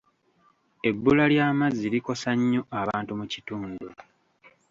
Ebbula ly'amazzi likosa nnyo abantu mu kitundu.